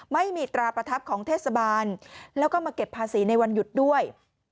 ไม่มีตราประทับของเทศบาลแล้วก็มาเก็บภาษีในวันหยุดด้วย